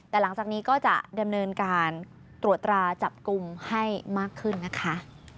แต่หลังจากนี้ก็จะดำเนินการตรวจตราจับกลุ่มให้มากขึ้นนะคะ